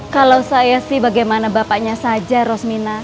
kalau saya sih bagaimana bapaknya saja rosmina